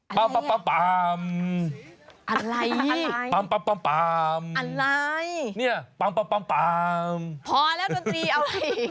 แบบนี้ปาปัมอะไรเนี่ยปัมปอลแล้วสัตรีเอาอะไร